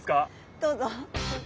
どうぞ。